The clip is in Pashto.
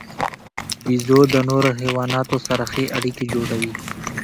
بیزو د نورو حیواناتو سره ښې اړیکې جوړوي.